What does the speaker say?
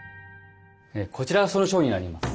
こちらがその商品になります。